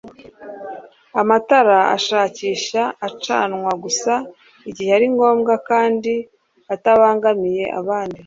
Amatara ashakisha acanwa gusa igihe ari ngombwa kandi atabangamiye abandi